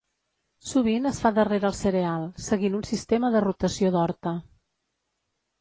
Sovint es fa darrere el cereal, seguint un sistema de rotació d'horta.